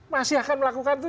masih akan melakukan itu